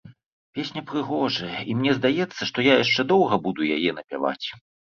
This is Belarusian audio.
Песня прыгожая, і мне здаецца, што я яшчэ доўга буду яе напяваць!